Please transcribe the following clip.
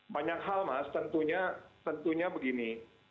banyak hal mas tentunya begini